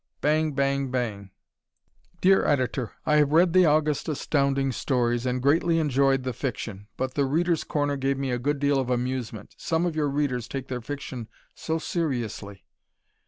Bang Bang Bang Dear Editor: I have read the August Astounding Stories and greatly enjoyed the fiction, but "The Readers' Corner" gave me a good deal of amusement. Some of your readers take their fiction so seriously!